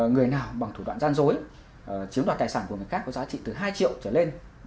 người nào bằng thủ đoạn gian dối chiếm đoạt tài sản của người khác có giá trị từ hai triệu trở lên